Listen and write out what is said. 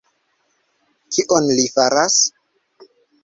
Kion li faras?